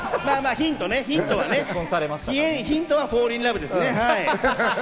ヒントはフォーリンラブです。